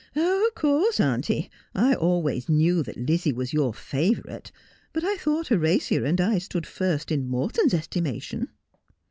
'Oh, of course, auntie, I always knew thai Lizzie was your favourite : but I thought Horatia and I stood first in Morton's estimation.'